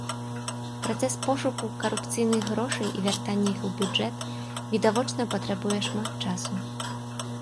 Працэс пошуку карупцыйных грошай і вяртання іх у бюджэт, відавочна, патрабуе шмат часу.